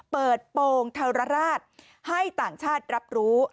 เปิดโปรงธรราชให้ต่างชาติรับรู้